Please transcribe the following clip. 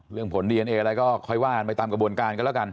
ผลดีเอนเออะไรก็ค่อยว่ากันไปตามกระบวนการกันแล้วกัน